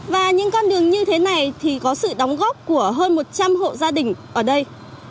và những con đường như thế này thì có sự đóng góp của hơn một trăm linh hộ gia đình ở đây